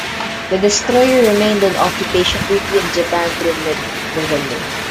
The destroyer remained on occupation duty in Japan through mid-November.